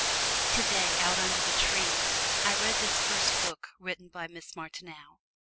Today, out under the trees, I read this first book written by Miss Martineau.